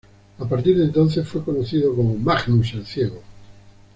A partir de entonces fue conocido como "Magnus el Ciego".